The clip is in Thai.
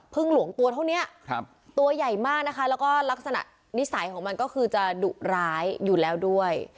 หลวงตัวเท่านี้ตัวใหญ่มากนะคะแล้วก็ลักษณะนิสัยของมันก็คือจะดุร้ายอยู่แล้วด้วย